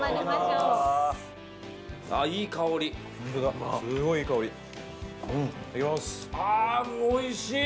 あぁおいしい！